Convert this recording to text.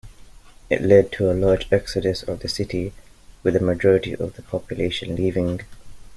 It led to a large exodus of the city, with a majority of the population leaving.